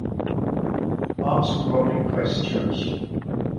Hobbs grew up in Christchurch.